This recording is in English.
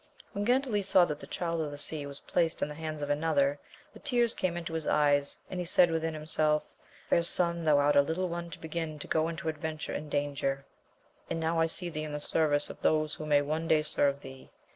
When Gandales saw that the Child of the Sea was placed in the hands of another, the tears came into his eyes, and he said within himself. Fair son, thou art a little one to begin to go into adventure and danger ! and now I see thee in the service of those who may one day serve thee.